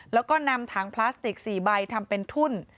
แล้วก็นำถังพลาสติก๔ใบทำเป็นทุ่น